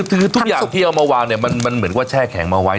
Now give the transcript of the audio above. คือทุกอย่างที่เอามาวางเนี่ยมันเหมือนว่าแช่แข็งมาไว้